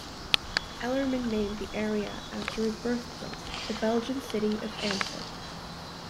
Ellerman named the area after his birthplace, the Belgian city of Antwerp.